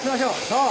そう！